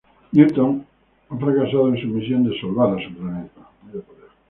Newton ha fracasado en su misión de salvar a su planeta.